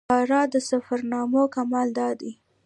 تارړ د سفرنامو کمال دا دی.